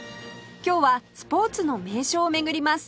今日はスポーツの名所を巡ります